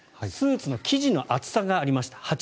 スーツの生地の厚さがありました。